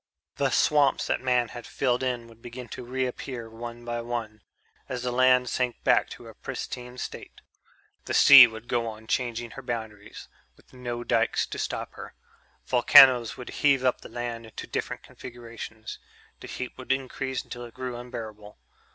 The swamps that man had filled in would begin to reappear one by one, as the land sank back to a pristine state. The sea would go on changing her boundaries, with no dikes to stop her. Volcanoes would heave up the land into different configurations. The heat would increase until it grew unbearable